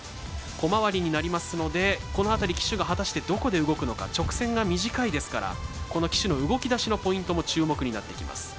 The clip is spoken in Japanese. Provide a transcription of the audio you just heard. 小回りになりますので、この辺り騎手が果たして、どこで動くのか直線が短いですから騎手の動きだしのポイントも注目になってきます。